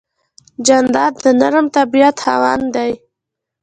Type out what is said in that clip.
جانداد د نرم طبیعت خاوند دی.